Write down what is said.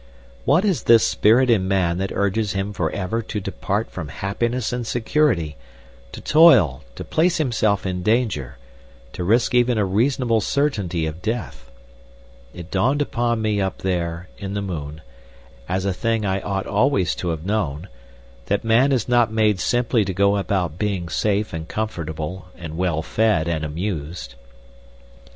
What is this spirit in man that urges him for ever to depart from happiness and security, to toil, to place himself in danger, to risk even a reasonable certainty of death? It dawned upon me up there in the moon as a thing I ought always to have known, that man is not made simply to go about being safe and comfortable and well fed and amused.